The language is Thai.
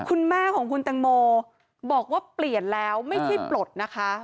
คุณแม่ของคุณแตงโมบอกว่าเปลี่ยนแล้วไม่ใช่ปลดนะคะ